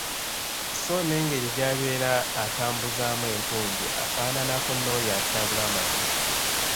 Sso n’engeri gy'abeera atambuzaamu enkumbi afaanaanako n'oyo atyabula amazina.